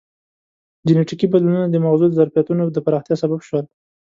جینټیکي بدلونونه د مغزو د ظرفیتونو د پراختیا سبب شول.